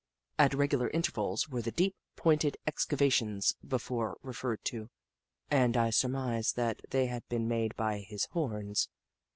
At regular intervals were the deep, pointed excavations before referred to, and I surmised that they had been made by his horns.